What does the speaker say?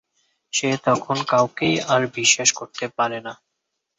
সে তখন কাউকেই আর বিশ্বাস করতে পারে না।